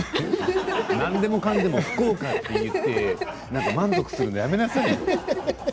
何でもかんでも福岡と言って満足するのやめなさいよ。